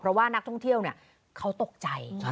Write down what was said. เพราะว่านักท่องเที่ยวเขาตกใจ